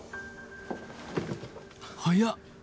早っ